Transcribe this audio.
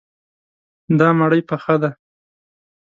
دا مړی پخه دی.